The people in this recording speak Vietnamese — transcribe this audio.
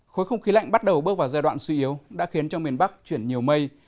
khối không khí lạnh bắt đầu bước vào giai đoạn suy yếu đã khiến cho miền bắc chuyển nhiều mây